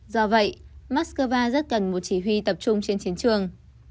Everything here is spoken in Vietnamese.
do vậy moscow rất cần một chỉ huy tập trung trên chiến trường